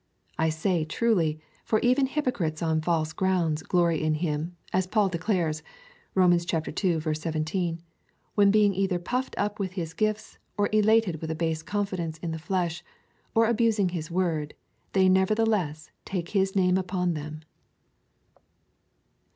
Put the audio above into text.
I say truly, for even hypocrites on false grounds glory in him, as Paul declares, (Rom. ii. 17,) when being either pufied up with his gifts, or elated with a base confi dence in the flesh, or abusing his word, they nevertheless take his name upon them.